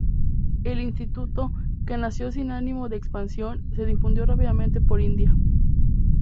El Instituto, que nació sin ánimo de expansión, se difundió rápidamente por India.